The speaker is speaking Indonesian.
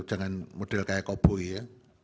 dengan model kayak koboi ya